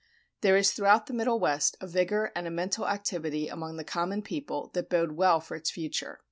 There is throughout the Middle West a vigor and a mental activity among the common people that bode well for its future.